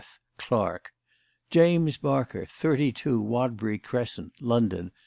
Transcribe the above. clerk. "James Barker, 32 Wadbury Crescent, London, S.